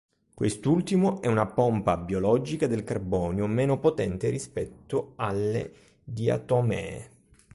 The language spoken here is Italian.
Quest'ultimo è una pompa biologica del carbonio meno potente rispetto alle diatomee.